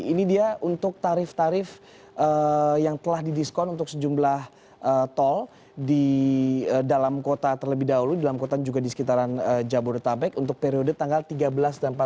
ini dia untuk tarif tarif yang telah didiskon untuk sejumlah tol di dalam kota terlebih dahulu di dalam kota juga di sekitaran jabodetabek untuk periode tanggal tiga belas dan empat belas